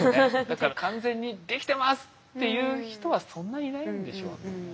だから「完全にできてます！」っていう人はそんないないんでしょうね。